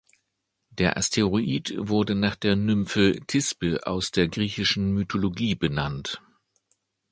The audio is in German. Der Asteroid wurde nach der Nymphe Thisbe aus der griechischen Mythologie benannt.